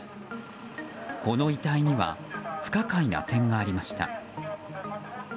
この遺体には不可解な点がありました。